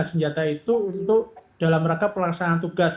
senjata itu untuk dalam rangka pelaksanaan tugas